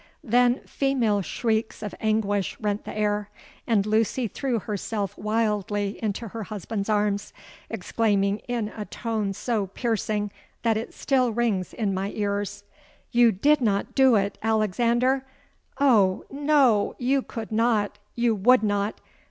Then female shrieks of anguish rent the air; and Lucy threw herself wildly into her husband's arms, exclaiming in a tone so piercing that it still rings in my ears—'You did not do it, Alexander! Oh! no—you could not—you would not!